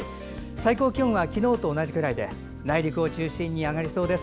最高気温は昨日と同じくらいで内陸を中心に上がりそうです。